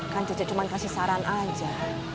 kan cece cuman kasih saran aja